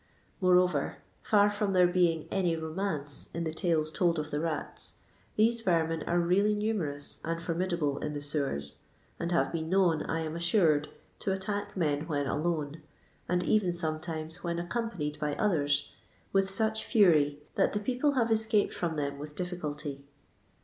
Moreover, fiur from there being any romance in the tales told of the rats, these vermin are really numerous and formidable in the sewers, and have been known, I am assured, to attack men when alone, and eren sometimes when accompanied by others, with loch fury that the people have escaped from them with difficulty.